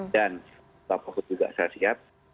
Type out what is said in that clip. dan bapakku juga saya siap